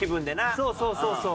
そうそうそうそう。